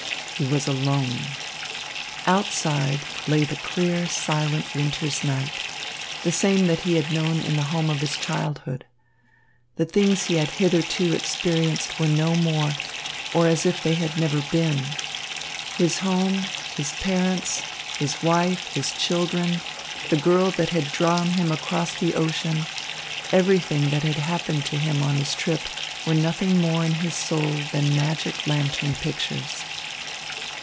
He was alone. Outside, lay the clear, silent winter's night, the same that he had known in the home of his childhood. The things he had hitherto experienced were no more, or as if they never had been. His home, his parents, his wife, his children, the girl that had drawn him across the ocean, everything that had happened to him on his trip were nothing more in his soul than magic lantern pictures.